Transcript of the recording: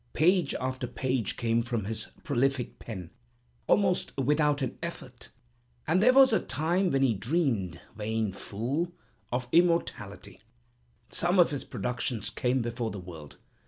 Page after page came from his prolific pen, almost without an effort; and there was a time when he dreamed (vain fool!) of immortality. Some of his productions came before the world.